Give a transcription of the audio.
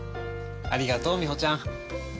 ありがとうみほちゃん。